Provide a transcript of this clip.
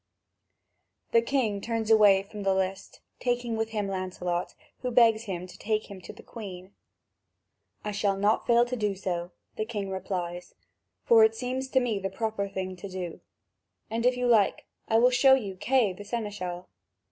The king turns away from the list, taking with him Lancelot, who begs him to take him to the Queen. "I shall not fail to do so," the king replies; "for it seems to me the proper thing to do. And if you like, I will show you Kay the seneschal."